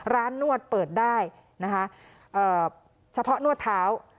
นวดเปิดได้นะคะเฉพาะนวดเท้า